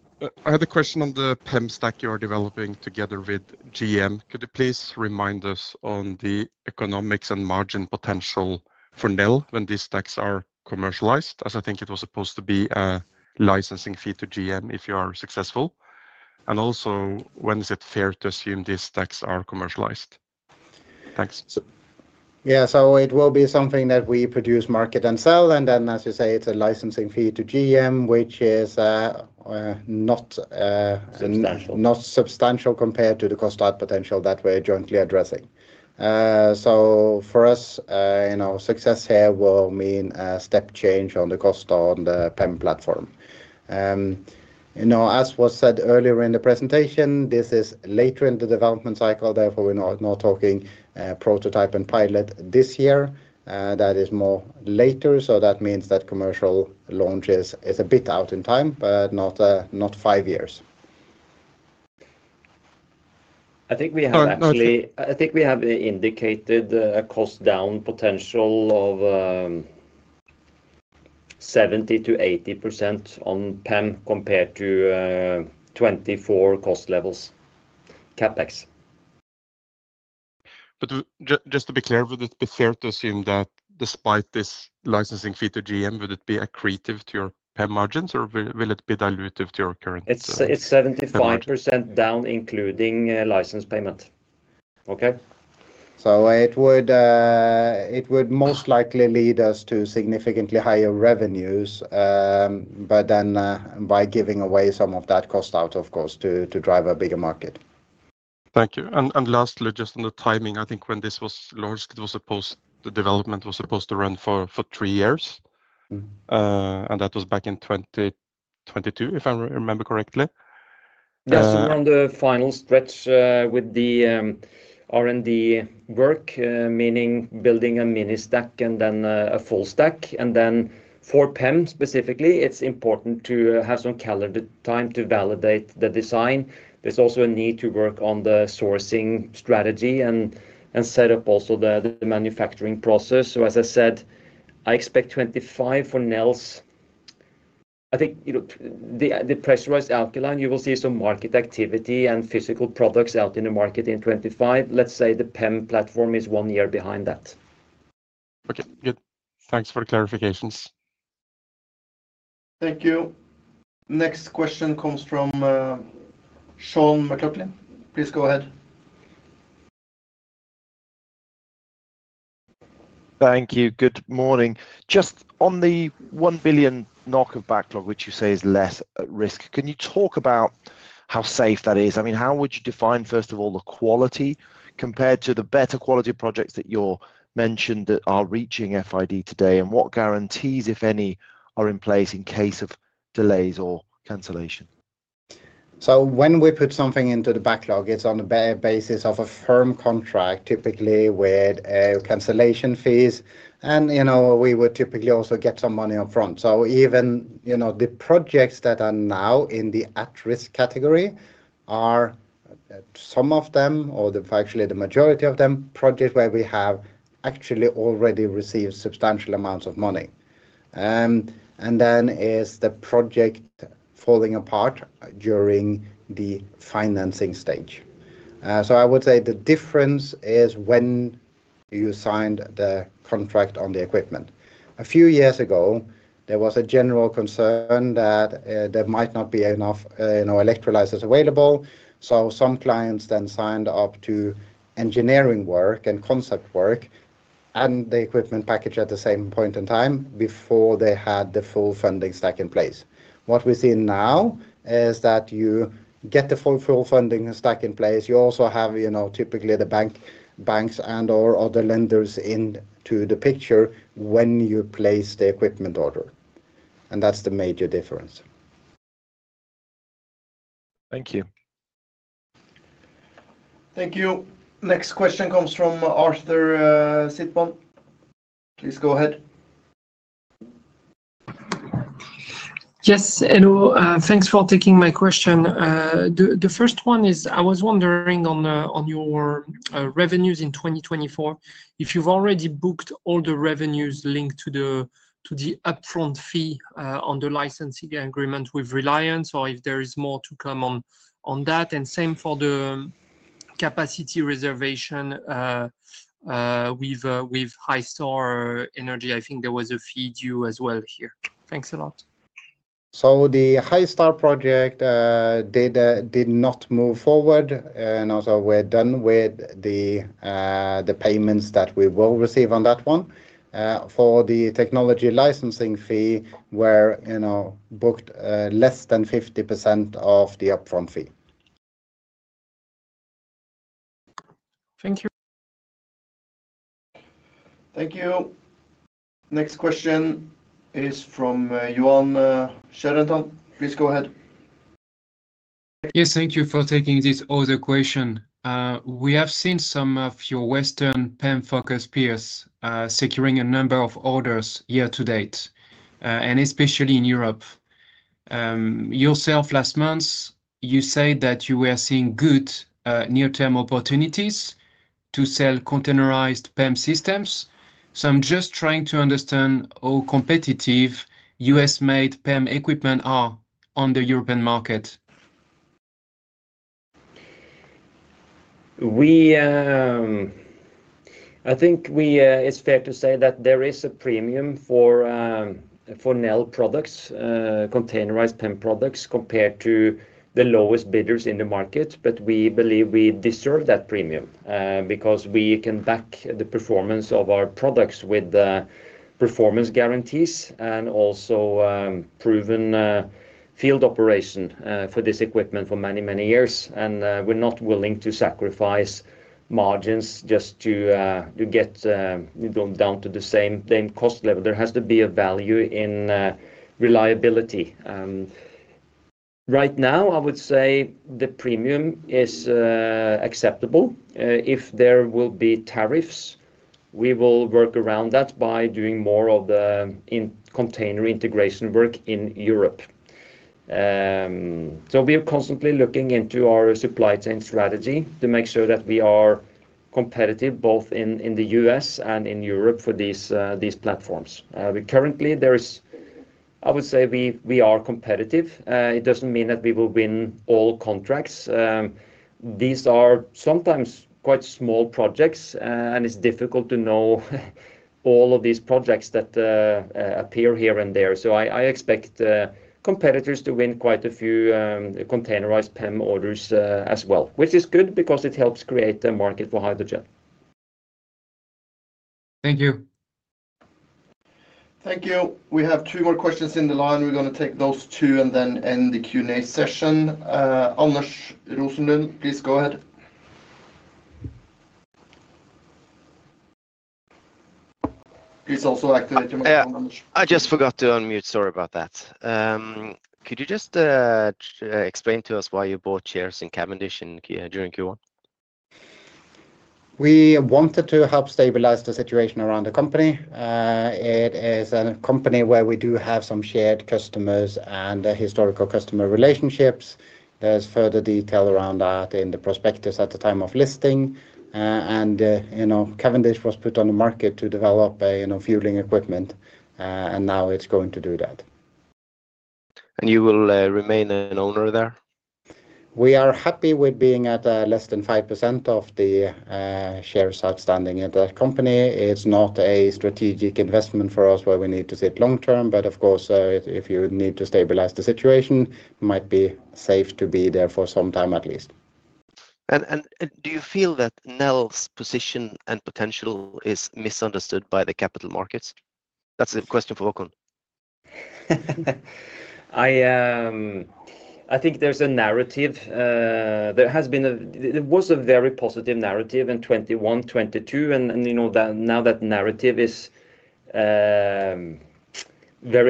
I had a question on the PEM stack you are developing together with GM. Could you please remind us on the economics and margin potential for Nel when these stacks are commercialized, as I think it was supposed to be a licensing fee to GM if you are successful? And also, when is it fair to assume these stacks are commercialized? Thanks. Yeah, so it will be something that we produce, market, and sell, and then, as you say, it's a licensing fee to GM, which is not substantial compared to the cost-out potential that we're jointly addressing, so for us, success here will mean a step change on the cost on the PEM platform. As was said earlier in the presentation, this is later in the development cycle. Therefore, we're not talking prototype and pilot this year. That is more later. So that means that commercial launch is a bit out in time, but not five years. I think we have actually indicated a cost-down potential of 70%-80% on PEM compared to 2024 cost levels, CapEx. But just to be clear, would it be fair to assume that despite this licensing fee to GM, would it be accretive to your PEM margins, or will it be dilutive to your current? It's 75% down, including license payment. Okay. So it would most likely lead us to significantly higher revenues, but then by giving away some of that cost out, of course, to drive a bigger market. Thank you. And lastly, just on the timing, I think when this was launched, the development was supposed to run for three years. And that was back in 2022, if I remember correctly. Yes. On the final stretch with the R&D work, meaning building a mini stack and then a full stack, and then for PEM specifically, it's important to have some calendar time to validate the design. There's also a need to work on the sourcing strategy and set up also the manufacturing process. So as I said, I expect 2025 for Nel's. I think the pressurized alkaline, you will see some market activity and physical products out in the market in 2025. Let's say the PEM platform is one year behind that. Okay. Good. Thanks for the clarifications. Thank you. Next question comes from Sean McLoughlin. Please go ahead. Thank you. Good morning. Just on the one billion NOK of backlog, which you say is less at risk, can you talk about how safe that is? I mean, how would you define, first of all, the quality compared to the better quality projects that you're mentioned that are reaching FID today? And what guarantees, if any, are in place in case of delays or cancellation? So when we put something into the backlog, it's on the basis of a firm contract, typically with cancellation fees. And we would typically also get some money upfront. So even the projects that are now in the at-risk category are some of them, or actually the majority of them, projects where we have actually already received substantial amounts of money. And then is the project falling apart during the financing stage. So I would say the difference is when you signed the contract on the equipment. A few years ago, there was a general concern that there might not be enough electrolyzers available. So some clients then signed up to engineering work and concept work and the equipment package at the same point in time before they had the full funding stack in place. What we've seen now is that you get the full funding stack in place. You also have typically the banks and/or other lenders into the picture when you place the equipment order. And that's the major difference. Thank you. Thank you. Next question comes from Arthur Sitbon. Please go ahead. Yes. Thanks for taking my question. The first one is I was wondering on your revenues in 2024, if you've already booked all the revenues linked to the upfront fee on the licensing agreement with Reliance or if there is more to come on that. And same for the capacity reservation with HyStor Energy. I think there was a fee due as well here. Thanks a lot. So the HyStor project did not move forward. And also, we're done with the payments that we will receive on that one. For the technology licensing fee, we're booked less than 50% of the upfront fee. Thank you. Thank you. Next question is from Yoann Charenton. Please go ahead. Yes. Thank you for taking this other question. We have seen some of your Western PEM-focused peers securing a number of orders year to date, and especially in Europe. Yourself, last month, you said that you were seeing good near-term opportunities to sell containerized PEM systems. So I'm just trying to understand how competitive U.S.-made PEM equipment are on the European market. I think it's fair to say that there is a premium for Nel products, containerized PEM products, compared to the lowest bidders in the market. But we believe we deserve that premium because we can back the performance of our products with performance guarantees and also proven field operation for this equipment for many, many years. And we're not willing to sacrifice margins just to get down to the same cost level. There has to be a value in reliability. Right now, I would say the premium is acceptable. If there will be tariffs, we will work around that by doing more of the container integration work in Europe. So we are constantly looking into our supply chain strategy to make sure that we are competitive both in the U.S. and in Europe for these platforms. Currently, I would say we are competitive. It doesn't mean that we will win all contracts. These are sometimes quite small projects, and it's difficult to know all of these projects that appear here and there. So I expect competitors to win quite a few containerized PEM orders as well, which is good because it helps create a market for hydrogen. Thank you. Thank you. We have two more questions in the line. We're going to take those two and then end the Q&A session. Anders Rosenlund, please go ahead. Please also activate your microphone, Anders. I just forgot to unmute. Sorry about that. Could you just explain to us why you bought shares in Cavendish during Q1? We wanted to help stabilize the situation around the company. It is a company where we do have some shared customers and historical customer relationships. There's further detail around that in the prospectus at the time of listing. And Cavendish was put on the market to develop fueling equipment, and now it's going to do that. And you will remain an owner there? We are happy with being at less than 5% of the shares outstanding at that company. It's not a strategic investment for us where we need to sit long-term. But of course, if you need to stabilize the situation, it might be safe to be there for some time at least. And do you feel that Nel's position and potential is misunderstood by the capital markets? That's a question for Håkon. I think there's a narrative. There was a very positive narrative in 2021, 2022, and now that narrative is very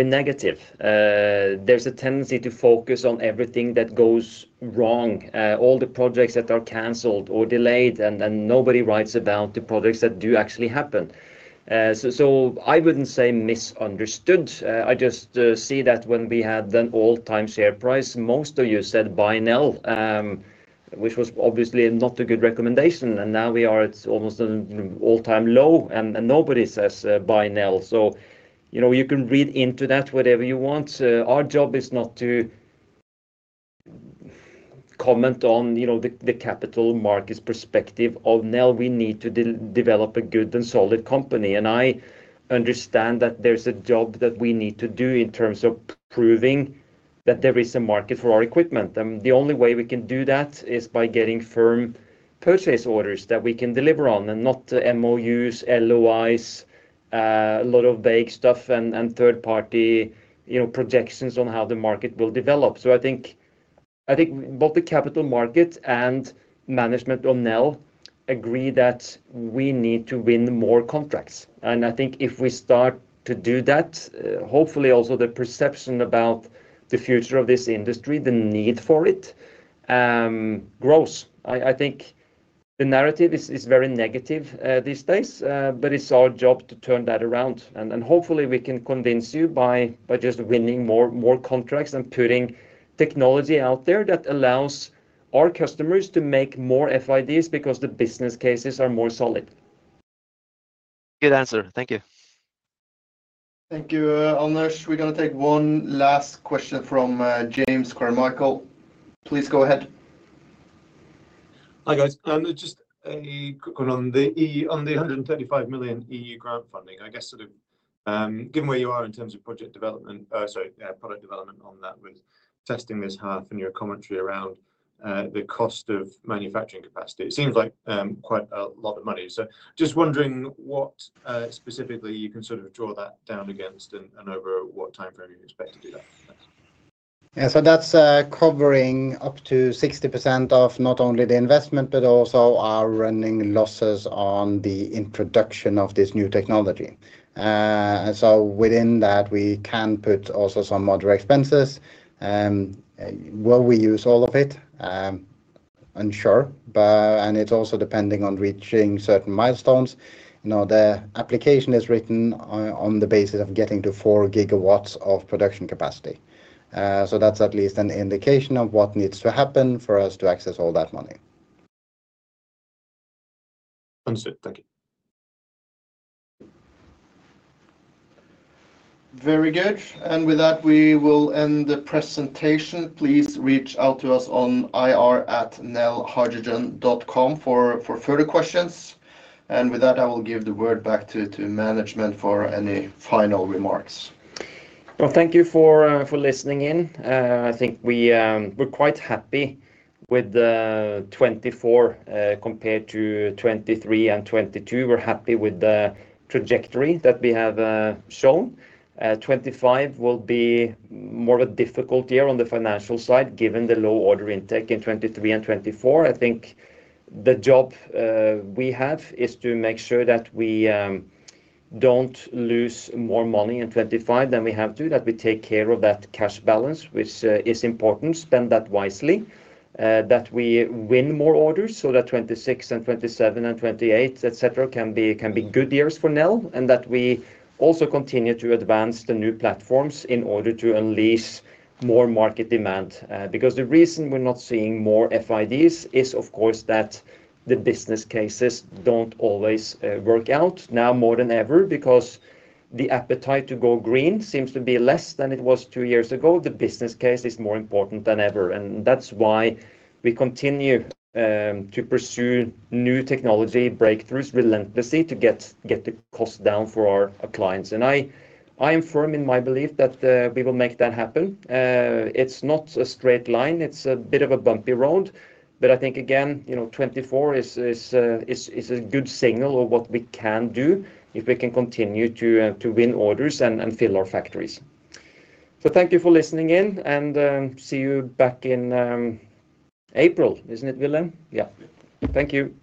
negative. There's a tendency to focus on everything that goes wrong, all the projects that are canceled or delayed, and nobody writes about the projects that do actually happen. So I wouldn't say misunderstood. I just see that when we had an all-time share price, most of you said buy Nel, which was obviously not a good recommendation. Now we are at almost an all-time low, and nobody says buy Nel. You can read into that whatever you want. Our job is not to comment on the capital market's perspective of Nel. We need to develop a good and solid company. I understand that there's a job that we need to do in terms of proving that there is a market for our equipment. The only way we can do that is by getting firm purchase orders that we can deliver on and not MOUs, LOIs, a lot of vague stuff, and third-party projections on how the market will develop. I think both the capital market and management of Nel agree that we need to win more contracts. I think if we start to do that, hopefully also the perception about the future of this industry, the need for it, grows. I think the narrative is very negative these days, but it's our job to turn that around. And hopefully we can convince you by just winning more contracts and putting technology out there that allows our customers to make more FIDs because the business cases are more solid. Good answer. Thank you. Thank you, Anders. We're going to take one last question from James Carmichael. Please go ahead. Hi, guys. Just a quick one on the 135 million EU grant funding. I guess sort of given where you are in terms of project development, sorry, product development on that with testing this half and your commentary around the cost of manufacturing capacity, it seems like quite a lot of money. So just wondering what specifically you can sort of draw that down against and over what timeframe you expect to do that. Yeah. That's covering up to 60% of not only the investment, but also our running losses on the introduction of this new technology. So within that, we can put also some moderate expenses. Will we use all of it? Unsure. And it's also depending on reaching certain milestones. The application is written on the basis of getting to four gigawatts of production capacity. So that's at least an indication of what needs to happen for us to access all that money. Understood. Thank you. Very good. And with that, we will end the presentation. Please reach out to us on ir@nelhydrogen.com for further questions. And with that, I will give the word back to management for any final remarks. Well, thank you for listening in. I think we're quite happy with 2024 compared to 2023 and 2022. We're happy with the trajectory that we have shown. 2025 will be more of a difficult year on the financial side given the low order intake in 2023 and 2024. I think the job we have is to make sure that we don't lose more money in 2025 than we have to, that we take care of that cash balance, which is important, spend that wisely, that we win more orders so that 2026 and 2027 and 2028, etc., can be good years for Nel, and that we also continue to advance the new platforms in order to unleash more market demand. Because the reason we're not seeing more FIDs is, of course, that the business cases don't always work out now more than ever because the appetite to go green seems to be less than it was two years ago. The business case is more important than ever. And that's why we continue to pursue new technology breakthroughs relentlessly to get the cost down for our clients. And I am firm in my belief that we will make that happen. It's not a straight line. It's a bit of a bumpy road. But I think, again, 2024 is a good signal of what we can do if we can continue to win orders and fill our factories. So thank you for listening in, and see you back in April, isn't it, Wilhelm? Yeah. Thank you.